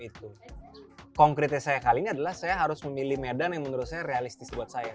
itu konkretnya saya kali ini adalah saya harus memilih medan yang menurut saya realistis buat saya